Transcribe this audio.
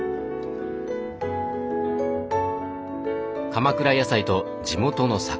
鎌倉野菜と地元の魚。